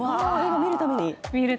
見るために。